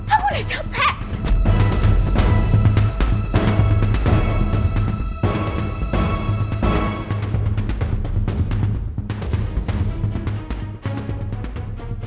aku udah capek